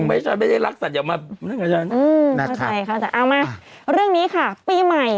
เอาละเรื่องนี้ค่ะปีใหม่